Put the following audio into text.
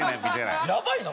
やばいな。